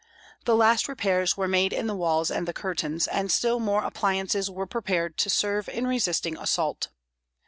The last repairs were made in the walls and the curtains, and still more appliances were prepared to serve in resisting assault.